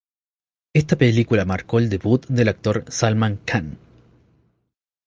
Esta película marcó el debut del actor Salman Khan.